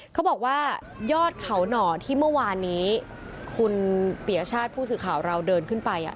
เขาบอกว่ายอดเขาหน่อที่เมื่อวานนี้คุณปียชาติผู้สื่อข่าวเราเดินขึ้นไป